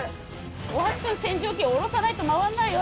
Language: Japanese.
大橋くん洗浄機下ろさないと回らないよ